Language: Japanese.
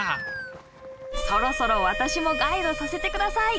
そろそろ私もガイドさせて下さい！